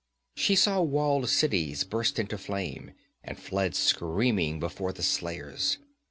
She saw walled cities burst into flame, and fled screaming before the slayers.